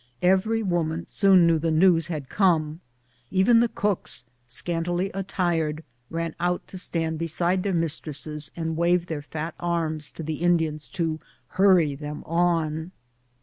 Every woman soon knew that news had come. Even the cooks, scantily attired, ran out to stand beside their mistresses and wave their fat arms to the Indians to hurry them on.